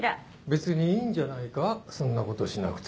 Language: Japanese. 別にいいんじゃないかそんなことしなくて。